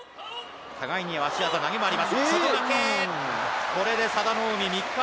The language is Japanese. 互いに足技投げもあります。